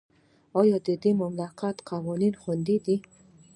آیا د ملکیت حقوق خوندي دي؟